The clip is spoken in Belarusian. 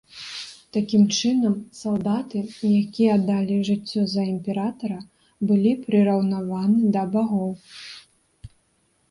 Такім чынам, салдаты, якія аддалі жыццё за імператара, былі прыраўнаваны да багоў.